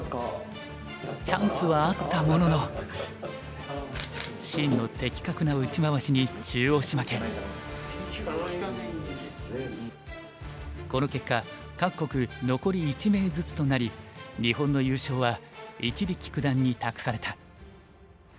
チャンスはあったもののシンの的確な打ち回しにこの結果各国残り１名ずつとなり日本の優勝は一力九段に託された。